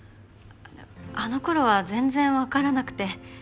あのころは全然分からなくて。